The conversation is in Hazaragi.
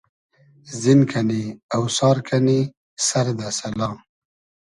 زین کئنی , اۆسار کئنی سئر دۂ سئلا